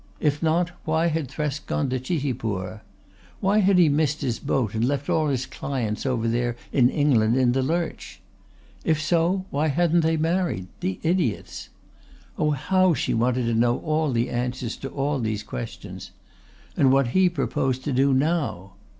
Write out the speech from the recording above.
If not why had Thresk gone to Chitipur? Why had he missed his boat and left all his clients over there in England in the lurch? If so, why hadn't they married the idiots? Oh, how she wanted to know all the answers to all these questions! And what he proposed to do now!